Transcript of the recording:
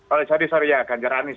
oh ya sorry sorry ya ganjar anis